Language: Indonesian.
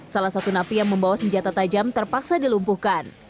salah satu napi yang membawa senjata tajam terpaksa dilumpuhkan